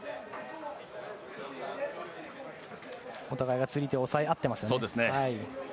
お互いが釣り手を押さえ合っていますね。